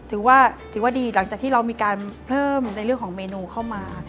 ถือว่าถือว่าดีหลังจากที่เรามีการเพิ่มในเรื่องของเมนูเข้ามา